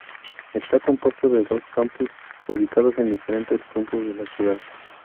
Está compuesto de dos campus, ubicados en diferentes puntos de la ciudad.